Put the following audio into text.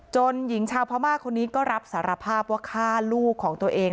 หญิงชาวพม่าคนนี้ก็รับสารภาพว่าฆ่าลูกของตัวเอง